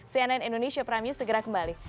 cnn indonesia prime news segera kembali